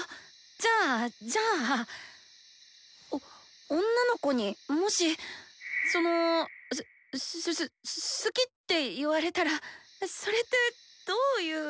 じゃあじゃあお女の子にもしそのすすす「好き」って言われたらそれってどういう。